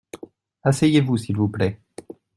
Asseyez-vous s’il vous plait.